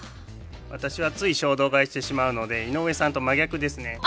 私はつい衝動買いしてしまうので井上さんと真逆ですね。